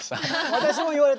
私も言われた！